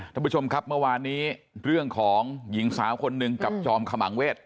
ท่านผู้ชมครับเมื่อวานนี้เรื่องของหญิงสาวคนหนึ่งกับจอมขมังเวท